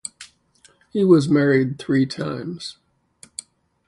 He was married three times.